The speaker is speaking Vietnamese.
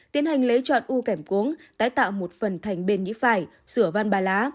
tiến hành lấy chọn u kẻm cuống tái tạo một phần thành bên nhĩ phải sửa van ba lá